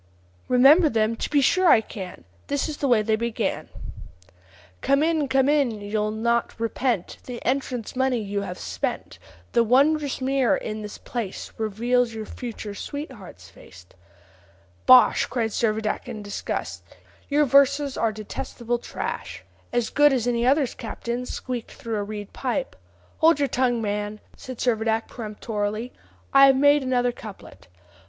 "Remember them! to be sure I can. This is the way they began: 'Come in! come in! you'll not repent The entrance money you have spent; The wondrous mirror in this place Reveals your future sweetheart's face.'" "Bosh!" cried Servadac in disgust; "your verses are detestable trash." "As good as any others, captain, squeaked through a reed pipe." "Hold your tongue, man," said Servadac peremptorily; "I have made another couplet.